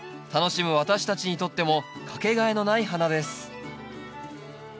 楽しむ私たちにとってもかけがえのない花です。